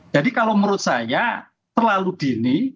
jadi kalau menurut saya selalu dini